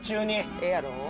ええやろ。